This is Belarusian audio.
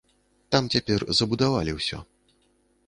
Там цяпер забудавалі ўсё.